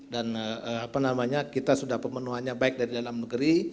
dan apa namanya kita sudah pemenuhannya baik dari dalam negeri